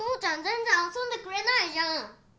全然遊んでくれないじゃん。